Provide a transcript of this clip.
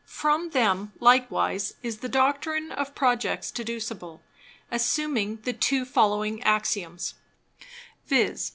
From them likewise is the Doctrine of Projects deducible, assuming the two following Axioms; _viz.